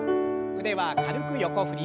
腕は軽く横振り。